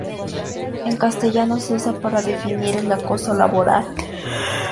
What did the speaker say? En castellano se usa para definir el acoso laboral.